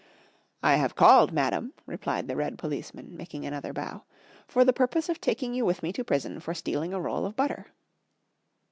"I have called, madam," replied the red policeman, making another bow, "for the purpose of taking you with me to prison for stealing a roll of butter."